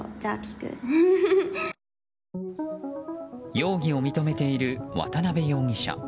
容疑を認めている渡辺容疑者。